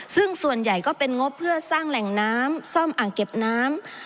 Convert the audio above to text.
ซึ่งส่วนใหญ่ก็เป็นงบเพื่อสร้างแหล่งน้ำซ่อมอ่างเก็บน้ำ